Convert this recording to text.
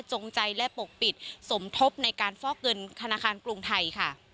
จงใจและปกปิดสมทบในการฟอกเงินธนาคารกรุงไทยค่ะ